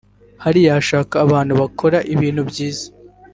hariya hashaka abantu bakora ibintu byiza